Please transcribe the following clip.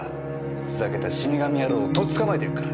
ふざけた死に神野郎をとっ捕まえてやっから。